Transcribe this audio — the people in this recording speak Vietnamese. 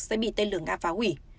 sẽ bị tên lửa nga phá hủy